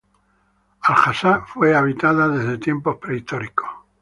Al-Hasa fue habitada desde tiempos prehistóricos.